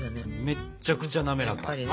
めっちゃくちゃなめらか。